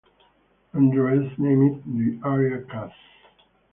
Andres named the area Cass.